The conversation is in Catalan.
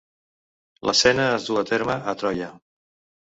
L’escena es duu a terme a Troia.